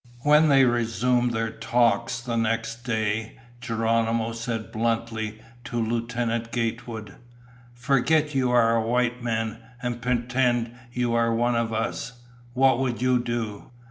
When they resumed their talks the next day, Geronimo said bluntly to Lieutenant Gatewood, "Forget you are a white man and pretend you are one of us. What would you do?"